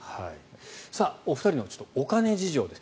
お二人のお金事情です。